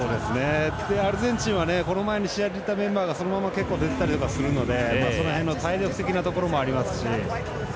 アルゼンチンは、この前に試合に出ていたメンバーがそのまま結構出てたりするので体力的なところもありますし。